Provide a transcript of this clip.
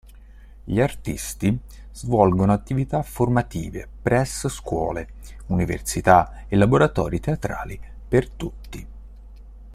Gli artisti svolgono attività formative presso scuole, Università e laboratori teatrali per tutti.